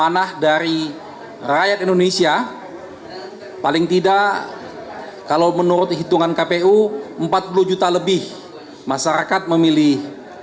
tanah dari rakyat indonesia paling tidak kalau menurut hitungan kpu empat puluh juta lebih masyarakat memilih